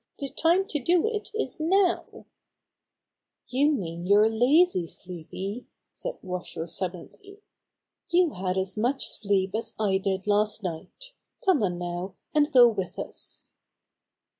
The time to do it is now/' "You mean you're lazy, Sleepy," said Washer suddenly. "You had as much sleep as I did last night. Come on now, and go with us."